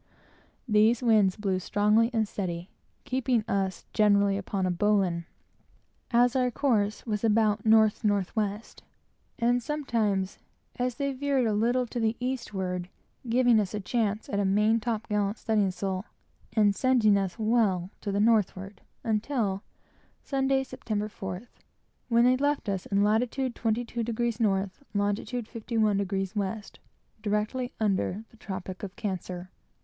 These winds blew strong and steady, keeping us generally upon a bowline, as our course was about north north west; and sometimes, as they veered a little to the eastward, giving us a chance at a main top gallant studding sail; and sending us well to the northward, until Sunday, Sept. 4th, when they left us, in lat. 22° N., long. 51° W., directly under the tropic of Cancer.